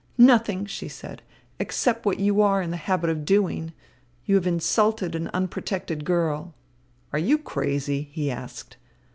"Nothing," she said, "except what you are in the habit of doing. You have insulted an unprotected girl." "Are you crazy?" he asked.